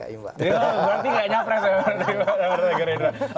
berarti nggak nyapres ya mbak gerindra